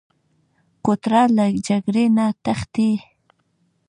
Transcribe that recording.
کوتره له جګړې نه تښتي.